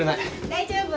大丈夫